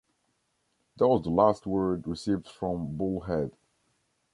That was the last word received from "Bullhead".